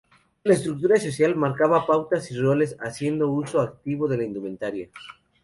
La estructura social marcaba pautas y roles haciendo uso activo de la indumentaria.